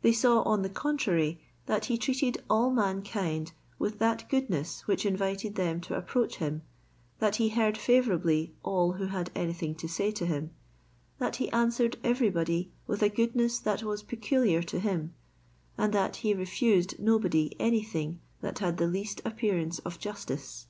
They saw, on the contrary, that he treated all mankind with that goodness which invited them to approach him; that he heard favourably all who had anything to say to him; that he answered everybody with a goodness that was peculiar to him; and that he refused nobody any thing that had the least appearance of justice.